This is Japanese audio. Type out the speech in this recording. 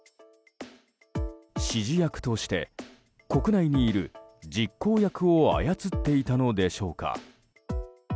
指示役として国内にいる実行役を操っていたのでしょうか。